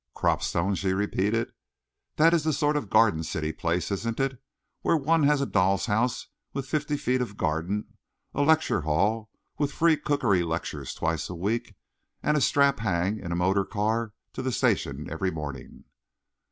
"Cropstone?" she repeated. "That is the sort of garden city place, isn't it, where one has a doll's house with fifty feet of garden, a lecture hall with free cookery lectures twice a week, and a strap hang in a motor car to the station every morning."